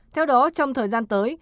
theo đó trong thời gian tới